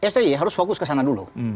sti harus fokus ke sana dulu